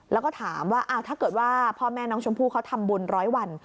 แล้วก็ถามว่าถ้าเกิดว่าพ่อแม่น้องชมพู่เขาทำบุญร้อยวัน